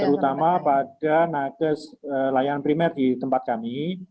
terutama pada nages layanan primer di tempat kami